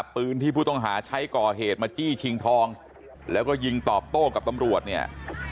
ปืนที่ผู้ต้องหาใช้ก่อเหตุมาจี้ชิงทองแล้วก็ยิงตอบโต้กับตำรวจเนี่ย